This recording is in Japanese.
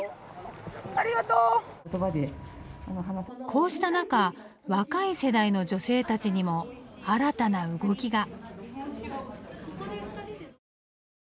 こうしたなか若い世代の女性たちにも新たな動きが。